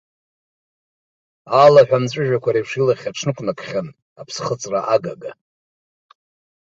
Алаҳәа амҵәыжәҩа еиԥш илахь аҽнықәнакхьан аԥсхыҵра агага.